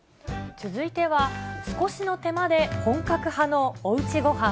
続いては、少しの手間で本格派のおうちごはん。